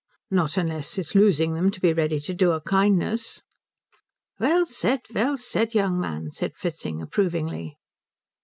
"Not unless it's losing them to be ready to do a kindness." "Well said, well said, young man," said Fritzing approvingly.